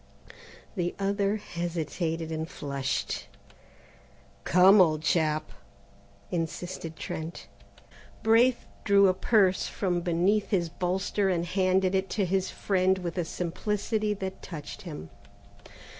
The other hesitated and flushed. "Come, old chap," insisted Trent. Braith drew a purse from beneath his bolster, and handed it to his friend with a simplicity that touched him.